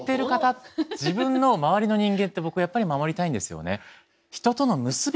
自分の周りの人間って僕やっぱり守りたいんですよね。